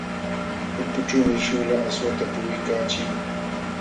Ulpućhuumi śhuula aswata puquykaachii.